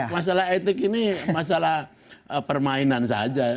masalah etik ini masalah permainan saja ya